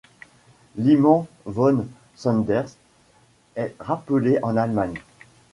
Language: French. Liman von Sanders est rappelé en Allemagne.